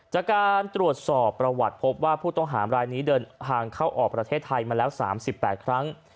จากการตรวจสอบประวัติพบว่าผู้ต้องหามรายนี้เดินทางเข้าออกประเทศไทยมาแล้ว๓๘ครั้ง